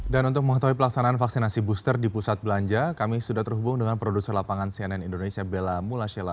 dan untuk mengatasi pelaksanaan vaksinasi booster di pusat belanja kami sudah terhubung dengan produser lapangan cnn indonesia bella mulasela